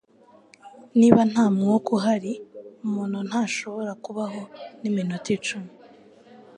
Niba nta mwuka uhari, umuntu ntashobora kubaho niminota icumi.